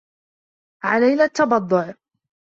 علينا التبضع.